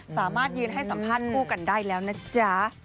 สามารถยืนให้สัมภาษณ์คู่กันได้แล้วนะจ๊ะ